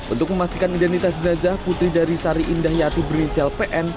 untuk memastikan identitas jenazah putri dari sari indah yati berinisial pn